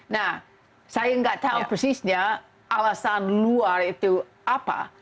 nah saya tidak tahu alasan luar itu apa